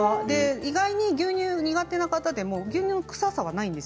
意外に牛乳苦手な方でも牛乳の臭さはないんです。